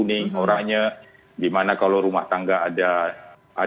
zonasi kuning orangnya dimana kalau rumah tangga ada